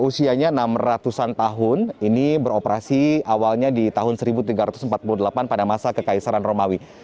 usianya enam ratus an tahun ini beroperasi awalnya di tahun seribu tiga ratus empat puluh delapan pada masa kekaisaran romawi